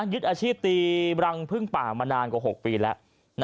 ยึดอาชีพตีรังพึ่งป่ามานานกว่า๖ปีแล้ว